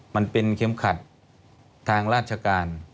มันเป็นเข็มขัดทางราชการ